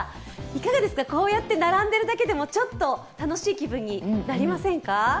いかがですか、こうやって並んでるだけでも楽しい気分になりませんか？